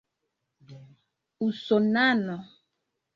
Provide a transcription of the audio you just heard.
usonano